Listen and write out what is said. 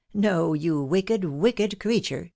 no, you wicked, wicked creature.